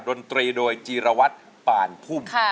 ดนตรีโดยจีรวัตรป่านพุ่ม